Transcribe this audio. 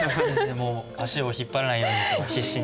足を引っ張らないようにと必死に。